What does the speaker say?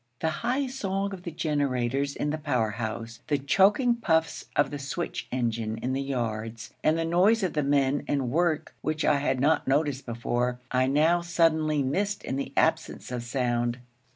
The high song of the generators in the power house, the choking puffs of the switch engine in the yards, and the noise of men and work which I had not noticed before, I now suddenly missed in the absence of sound.